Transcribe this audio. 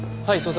はい。